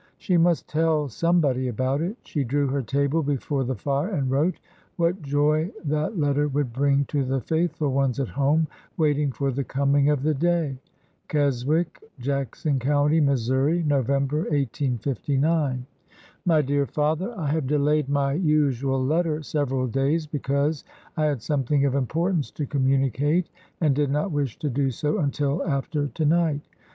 She must tell somebodj> about it. She drew her table be fore the fire and wrote. What joy that letter would bring to the faithful ones at home waiting for the coming of the day 1 '' Keswick, Jackson County, Missouri^ '' November —, 1859. '' My dear Father :" I have delayed my usual letter several days because I had something of importance to communicate and did not wish to do so until after to night.